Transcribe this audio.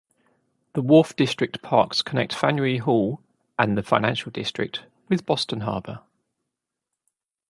The Wharf District Parks connect Faneuil Hall and the Financial District with Boston Harbor.